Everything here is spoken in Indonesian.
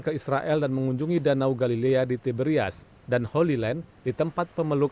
dan setelah veniroko nama tidak banyak sebenarnya ini pelatihan mereka